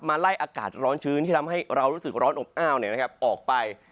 มาไล่อากาศร้อนชื้นที่ทำให้เรารู้สึกร้อนอบอ้าวเนี่ยนะครับออกไป